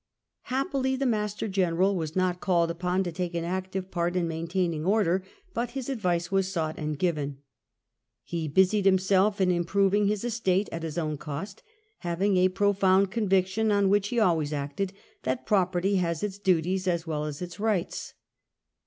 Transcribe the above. Happily the Master General was not called upon to take an active part in maintaining order, but his advice was sought and given. He busied himself in improving his estate at his own cost, having a profound conviction, on which he always acted, that property has its duties as well as its rights.